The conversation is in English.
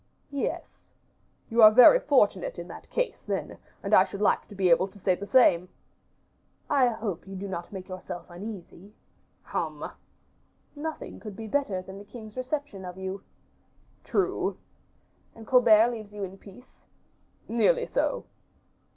"Yes." "You are very fortunate in that case, then, and I should like to be able to say the same." "I hope you do not make yourself uneasy." "Hum!" "Nothing could be better than the king's reception of you." "True." "And Colbert leaves you in peace." "Nearly so."